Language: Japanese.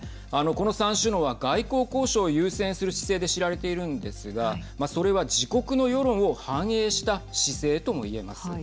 この３首脳は外交交渉を優先する姿勢で知られているんですがそれは自国の世論を反映した姿勢とも言えます。